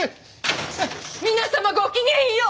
皆様ごきげんよう。